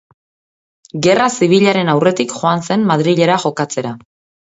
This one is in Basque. Gerra zibilaren aurretik joan zen Madrilera jokatzera.